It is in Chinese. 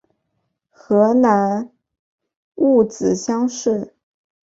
河南戊子乡试。